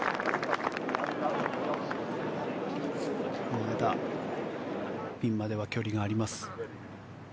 まだピンまでは距離があります。